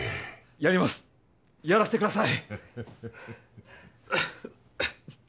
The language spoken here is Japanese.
やりますやらせてください